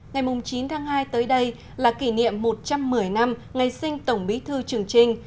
ngày chín tháng hai tới đây là kỷ niệm một trăm một mươi năm ngày sinh tổng bí thư trường trinh